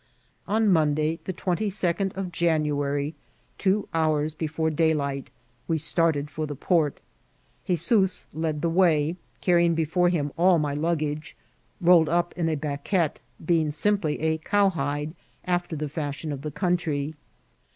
On Monday, the twenty second of January, two hours before daylight, we started for the port. ^Hezoos led the way, carrying before him all my luggage, rolled up in a baquette, being simply a cowhide, after the fiasbion of the country.